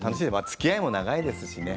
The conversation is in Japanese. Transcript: つきあいも長いですしね。